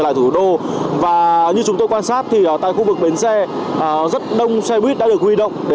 lại thủ đô và như chúng tôi quan sát thì tại khu vực bến xe rất đông xe buýt đã được huy động